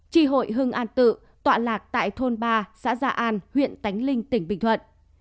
tri hội hưng an tự tọa lạc tại thôn ba xã gia an huyện tánh linh tỉnh bình thuận